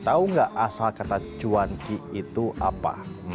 tahu nggak asal kata cuanki itu apa